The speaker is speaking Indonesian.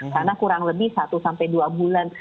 karena kurang lebih satu dua bulan